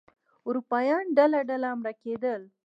اروپایان ډله ډله مړه کېدل.